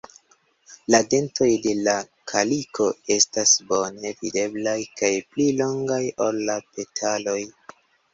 La dentoj de la kaliko estas bone videblaj kaj pli longaj ol la petaloj.